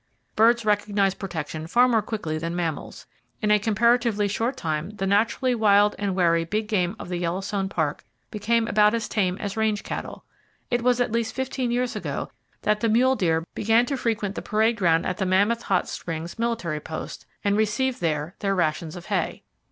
Birds recognize protection far more quickly than mammals. In a comparatively short time the naturally wild and wary big game of the Yellowstone Park became about as tame as range cattle. It was at least fifteen years ago that the mule deer began to frequent the parade ground at the Mammoth Hot Springs military post, and receive there their rations of hay.